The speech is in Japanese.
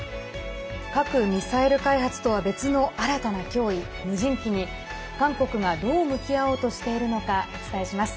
核・ミサイル開発とは別の新たな脅威、無人機に韓国がどう向き合おうとしているのかお伝えします。